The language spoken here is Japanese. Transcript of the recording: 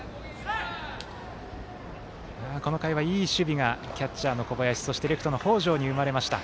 この回はいい守備がキャッチャーの小林そしてレフトの北條に生まれました。